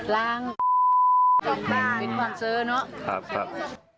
ลางบ้านหรือเปล่าภาพ